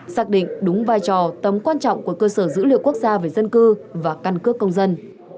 xác định đúng vai trò tầm quan trọng của cơ sở dữ liệu quốc gia về dân cư và căn cước công dân